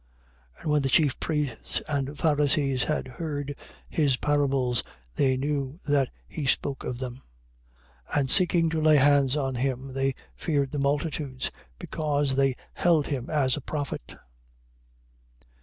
21:45. And when the chief priests and Pharisees had heard his parables, they knew that he spoke of them. 21:46. And seeking to lay hands on him, they feared the multitudes, because they held him as a prophet.